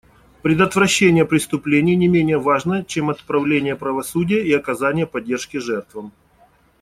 Предотвращение преступлений не менее важно, чем отправление правосудия и оказание поддержки жертвам.